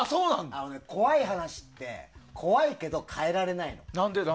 怖い話って怖いけど変えられないの。